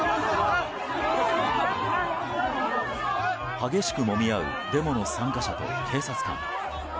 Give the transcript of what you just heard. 激しくもみ合うデモの参加者と警察官。